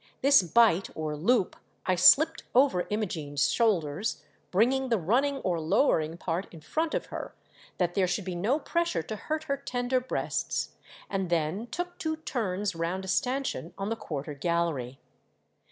This bight or loop I slipped over Imogene's shoulders, bringing the running or lowering part in front of her that there should be no pressure to hurt her tender breasts, and then took two turns round a stancheon on the quarter gallery.